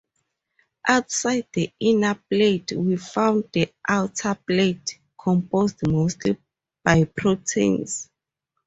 Outside the inner plate we find the outer plate, composed mostly by proteins.